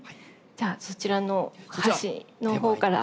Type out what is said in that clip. じゃあそちらの端のほうから。